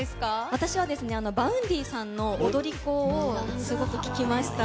私はＶａｕｎｄｙさんの踊り子をすごく聴きました。